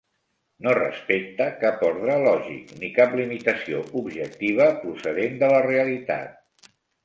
No respecte cap ordre lògic ni cap limitació objectiva procedent de la realitat.